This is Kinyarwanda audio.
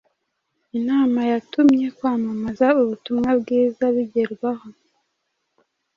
Imana yatumye kwamamaza ubutumwa bwiza bigerwaho